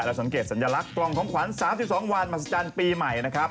สังเกตสัญลักษณ์กล่องของขวัญ๓๒วันมหัศจรรย์ปีใหม่นะครับ